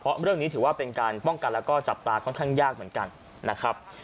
เพราะเรื่องนี้ถือว่าเป็นการป้องกันแล้วก็จับตาค่อนข้างยากเหมือนกันนะครับ